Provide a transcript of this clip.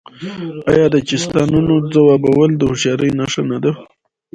آیا د چیستانونو ځوابول د هوښیارۍ نښه نه ده؟